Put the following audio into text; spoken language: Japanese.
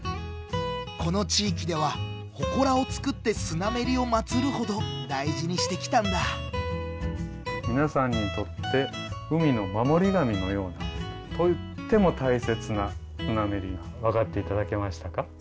この地域ではほこらを作ってスナメリを祭るほど大事にしてきたんだ皆さんにとって海の守り神のようなとっても大切なスナメリ分かっていただけましたか？